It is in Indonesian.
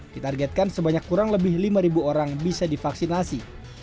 ditargetkan sebanyak kurang lebih lima orang bisa divaksinasi